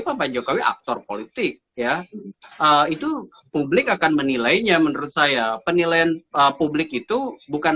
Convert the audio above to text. pak jokowi aktor politik ya itu publik akan menilainya menurut saya penilaian publik itu bukan